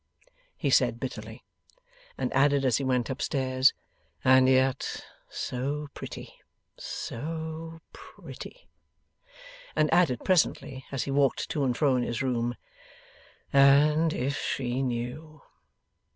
he said, bitterly. And added as he went upstairs. 'And yet so pretty, so pretty!' And added presently, as he walked to and fro in his room. 'And if she knew!